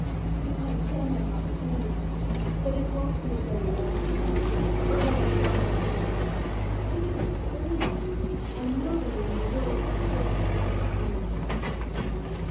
"I intend to hop soon, but it won't be a very long flight or very far from mother. She can't spare me, and nobody in the world can fill her place to me."